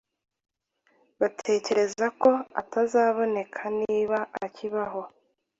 batekereza ko atazaboneka niba akibaho